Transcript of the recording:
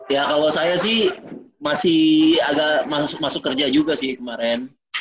ya kalau saya sih masih agak masuk kerja juga sih kemarin